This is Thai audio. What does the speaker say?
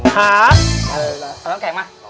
เอาน้ำแข็งมา